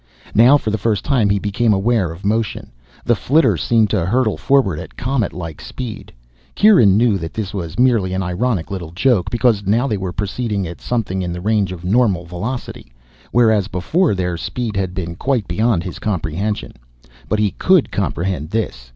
Now for the first time he became aware of motion. The flitter seemed to hurtle forward at comet like speed. Kieran knew that this was merely an ironic little joke, because now they were proceeding at something in the range of normal velocity, whereas before their speed had been quite beyond his comprehension. But he could comprehend this.